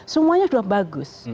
semuanya sudah bagus